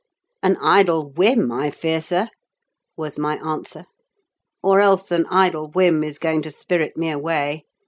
"An idle whim, I fear, sir," was my answer; "or else an idle whim is going to spirit me away.